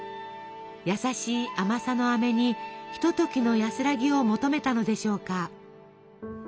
優しい甘さのあめにひとときの安らぎを求めたのでしょうか。